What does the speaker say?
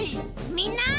みんな。